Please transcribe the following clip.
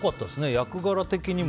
役柄的にも。